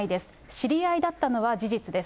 知り合いだったのは事実です。